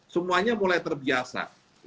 semuanya mulai terbiasa